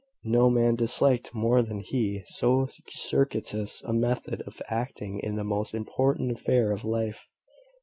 No man disliked more than he so circuitous a method of acting in the most important affair of life.